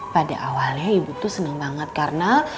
pada awalnya ibu tuh senang banget karena